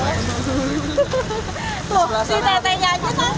tuh si neteknya aja takut